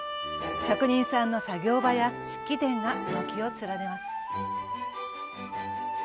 職人さんの作業場や漆器店が軒を連ねます。